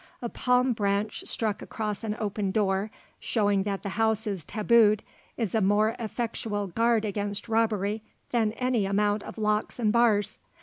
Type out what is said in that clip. A palm branch stuck across an open door, showing that the house is tabooed, is a more effectual guard against robbery than any amount of locks and bars.